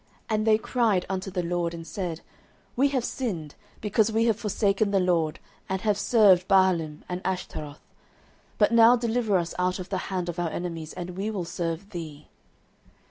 09:012:010 And they cried unto the LORD, and said, We have sinned, because we have forsaken the LORD, and have served Baalim and Ashtaroth: but now deliver us out of the hand of our enemies, and we will serve thee.